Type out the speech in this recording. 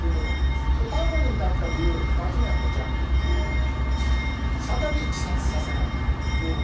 逮捕に至った理由２つ目は、再び自殺させないため。